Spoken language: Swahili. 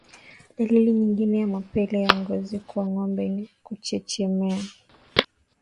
Dalili nyingine ya mapele ya ngozi kwa ngombe ni kuchechemea